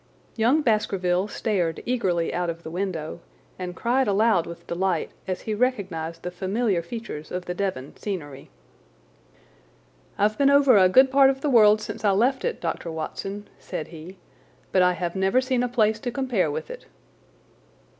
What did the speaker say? Young Baskerville stared eagerly out of the window and cried aloud with delight as he recognized the familiar features of the Devon scenery. "I've been over a good part of the world since I left it, Dr. Watson," said he; "but I have never seen a place to compare with it."